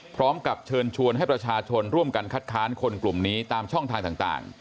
พร้อมกับเชิญชวนให้ประชาชนร่วมกันคัดค้านคนกลุ่มนี้ตามช่องทางต่าง